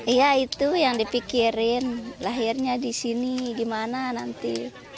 iya itu yang dipikirin lahirnya di sini gimana nanti